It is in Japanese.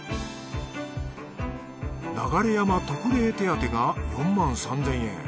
流山特例手当が４３，０００円。